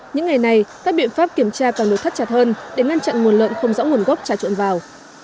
những ngày này các biện pháp kiểm tra còn được thắt chặt hơn để ngăn chặn nguồn lợn không rõ nguồn gốc trả chuộn vào